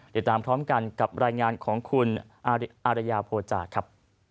ติดตามพร้อมกันกับรายงานของคุณอารยาโภจาครับ